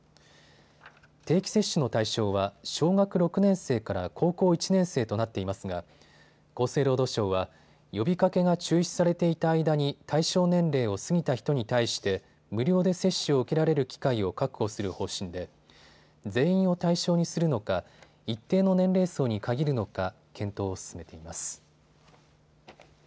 定期接種の対象は小学６年生から高校１年生となっていますが厚生労働省は呼びかけが中止されていた間に対象年齢を過ぎた人に対して無料で接種を受けられる機会を確保する方針で全員を対象にするのか一定の年齢層に限るのか検討を進めています。